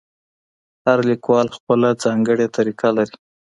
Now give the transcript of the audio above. هر لیکوال خپله ځانګړې طریقه لري.